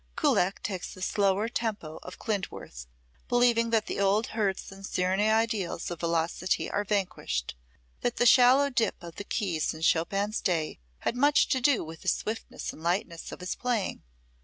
Kullak takes the slower tempo of Klindworth, believing that the old Herz and Czerny ideals of velocity are vanished, that the shallow dip of the keys in Chopin's day had much to do with the swiftness and lightness of his playing.